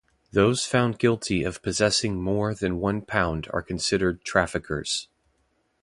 Those found guilty of possessing more than one pound are considered traffickers.